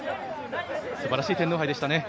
すばらしい天皇杯でしたね。